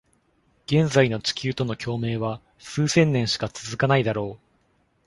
現在の地球との共鳴は、数千年しか続かないだろう。